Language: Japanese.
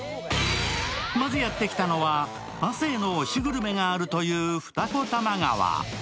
まずやってきたのは亜生の推しグルメがあるという二子玉川。